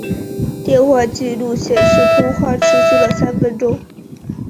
电话记录显示通话持续了三分钟。